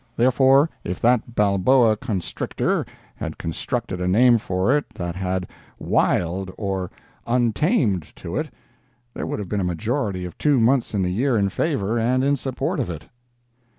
Therefore, if that Balboa constrictor had constructed a name for it that had "Wild," or "Untamed," to it, there would have been a majority of two months in the year in favor and in support of it.